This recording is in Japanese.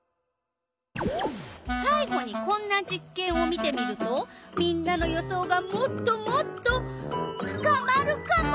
さい後にこんな実けんを見てみるとみんなの予想がもっともっと深まるカモ！